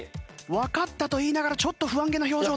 わかったと言いながらちょっと不安げな表情だ。